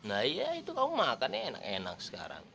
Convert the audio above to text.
nah iya itu kamu makannya enak enak sekarang